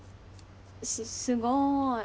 すすごい。